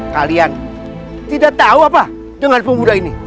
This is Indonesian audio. kalian tidak tahu apa dengan pemuda ini